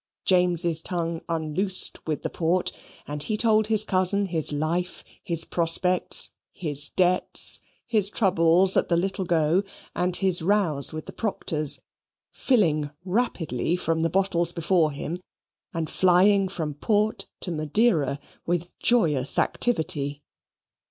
James's tongue unloosed with the port, and he told his cousin his life, his prospects, his debts, his troubles at the little go, and his rows with the proctors, filling rapidly from the bottles before him, and flying from Port to Madeira with joyous activity.